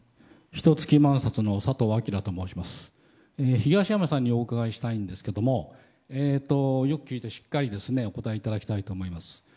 東山さんにお伺いしたいんですけどよく聞いてしっかりお答えいただきたいと思います。